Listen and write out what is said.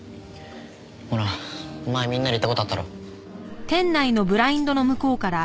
ほら前みんなで行った事あったろ。